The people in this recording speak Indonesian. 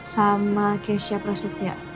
sama keisha prasetya